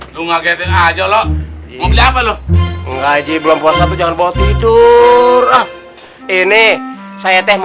lu ngegetin aja lo mau jalan lo ngaji belum puasa jangan bawa tidur ini saya teh mau